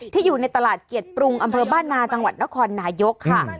อยู่ในตลาดเกียรติปรุงอำเภอบ้านนาจังหวัดนครนายกค่ะ